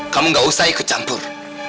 kamu gak usah ikut campur